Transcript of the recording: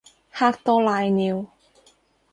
嚇到瀨尿